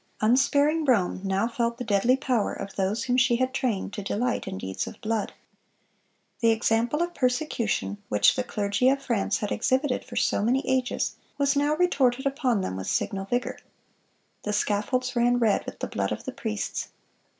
Unsparing Rome now felt the deadly power of those whom she had trained to delight in deeds of blood. "The example of persecution which the clergy of France had exhibited for so many ages, was now retorted upon them with signal vigor. The scaffolds ran red with the blood of the priests.